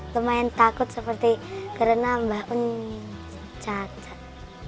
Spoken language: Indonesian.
lumayan takut seperti karena mbah uni cacat